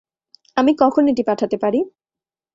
আমি কখন এটি পাঠাতে পারি?